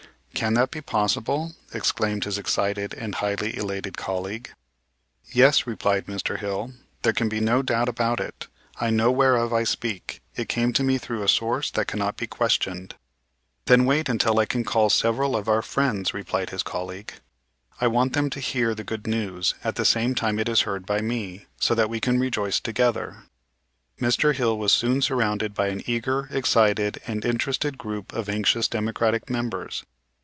"Can that be possible?" exclaimed his excited and highly elated colleague. "Yes," replied Mr. Hill, "there can be no doubt about it. I know whereof I speak. It came to me through a source that cannot be questioned." "Then wait until I can call several of our friends," replied his colleague, "I want them to hear the good news at the same time it is heard by me, so that we can rejoice together." Mr. Hill was soon surrounded by an eager, excited, and interested group of anxious Democratic members.